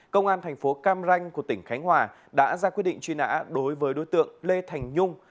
công an thành phố cam ranh của tỉnh khánh hòa đã ra quyết định truy nã đối với đối tượng lê thành nhung